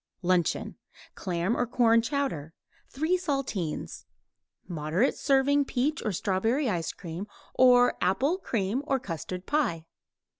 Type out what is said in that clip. LUNCHEON Clam or corn chowder; 3 saltines; moderate serving peach or strawberry ice cream, or apple, cream, or custard pie.